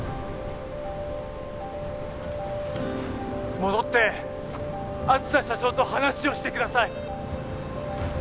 戻って梓社長と話をしてください